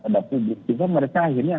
pada kebijakan mereka akhirnya